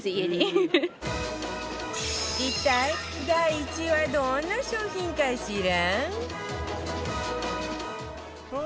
一体第１位はどんな商品かしら？